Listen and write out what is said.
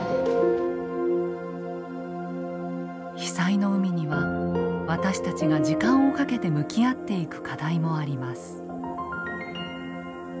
被災の海には私たちが時間をかけて向き合っていく課題もあります。